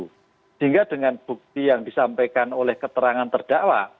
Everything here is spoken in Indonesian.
sehingga dengan bukti yang disampaikan oleh keterangan terdakwa